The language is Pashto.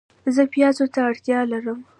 زه پیازو ته اړتیا لرم